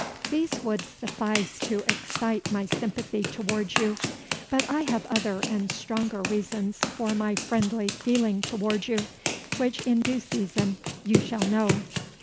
These would suffice to excite my sympathy towards you; but I have other and stronger reasons for my friendly feeling towards you, which in due season you shall know."